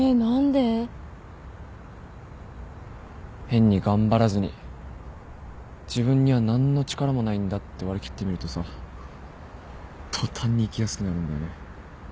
変に頑張らずに自分には何の力もないんだって割り切ってみるとさ途端に生きやすくなるんだよね。